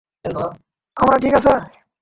আমরা ঠিক আছে?